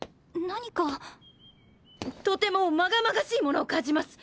何かとてもまがまがしいものを感じます